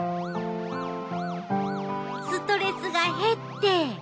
ストレスが減って。